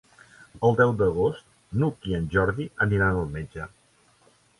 El deu d'agost n'Hug i en Jordi aniran al metge.